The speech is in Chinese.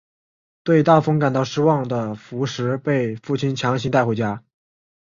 对大风感到失望的福实被父亲强行带回家。